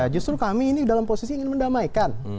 justru kami ini dalam posisi ingin mendamaikan